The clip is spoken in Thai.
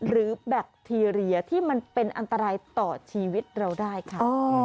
แบคทีเรียที่มันเป็นอันตรายต่อชีวิตเราได้ค่ะ